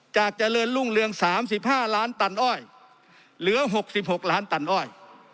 จากเจริญรุ่งเรืองสามสิบห้าร้านตันอ้อยเหลือหกสิบหกล้านตันอ้อย